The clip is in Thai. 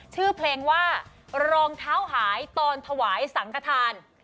ชื่อเพลงว่ารองเท้าหายตอนถวายสังขทาน